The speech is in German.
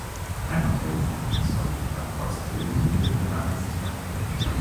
Ein Hotel in der Nähe des heutigen Standortes der Ölmühle benannte sich nach ihr.